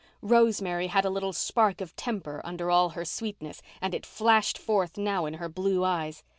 Rosemary had a little spark of temper under all her sweetness and it flashed forth now in her blue eyes.